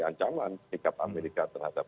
ancaman sikap amerika terhadap